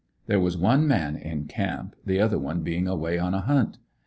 There was one man in camp, the other one being away on a hunt.